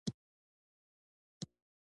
دښتې په اوږده تاریخ کې ذکر شوې.